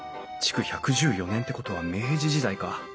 築１１４年ってことは明治時代か。